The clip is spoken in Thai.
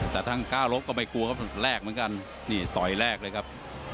แต่ทั้งก้าวรบก็ไม่กลัวครับแรกเหมือนกันนี่ต่อยแรกเลยครับ